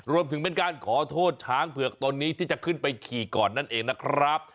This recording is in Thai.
รวมถึงเป็นการขอโทษช้างเผือกตนนี้ที่จะขึ้นไปขี่ก่อนนั่นเองนะครับ